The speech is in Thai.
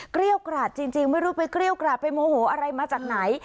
เกรี้ยวกราดจริงไม่รู้ไปเกรี้ยวกราดไปโมโหอะไรมาจากไหน